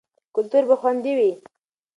کلتور به خوندي وي.